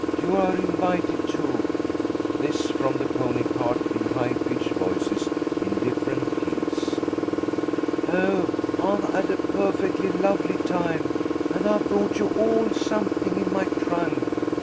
You are invited, too." This from the pony cart in high pitched voices in different keys. "Oh, I've had a perfectly lovely time, and I've brought you all something in my trunk.